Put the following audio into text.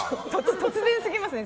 突然すぎますね。